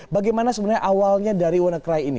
bagaimana sebenarnya awalnya dari wannacry ini